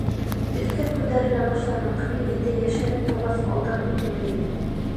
Өҫкә күтәрелә башланыҡ, мин инде йәшерәк булғас, алдан үрмәләйем.